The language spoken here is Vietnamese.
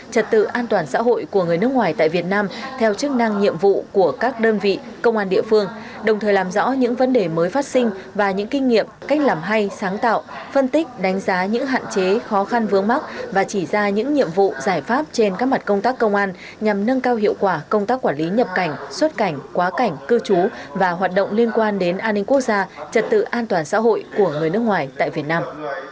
trật tự an toàn xã hội của người nước ngoài tại việt nam theo chức năng nhiệm vụ của các đơn vị công an địa phương đồng thời làm rõ những vấn đề mới phát sinh và những kinh nghiệm cách làm hay sáng tạo phân tích đánh giá những hạn chế khó khăn vướng mắt và chỉ ra những nhiệm vụ giải pháp trên các mặt công tác công an nhằm nâng cao hiệu quả công tác quản lý nhập cảnh xuất cảnh quá cảnh cư trú và hoạt động liên quan đến an ninh quốc gia trật tự an toàn xã hội của người nước ngoài tại việt nam